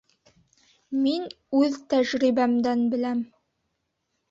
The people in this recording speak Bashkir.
Мин үҙ тәжрибәмдән беләм...